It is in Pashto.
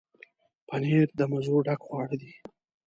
پنېر د مزو ډک خواړه دي.